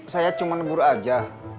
saya cuma negur aja